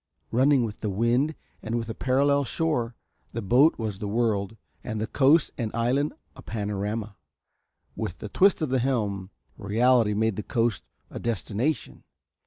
Running with the wind and with a parallel shore the boat was the world and the coast and island a panorama. With the twist of the helm Reality made the coast a destination.